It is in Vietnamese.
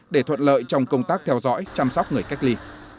để thuận lợi trong công tác theo dõi chăm sóc người cách ly